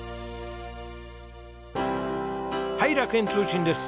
はい楽園通信です。